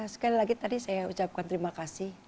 sekali lagi tadi saya ucapkan terima kasih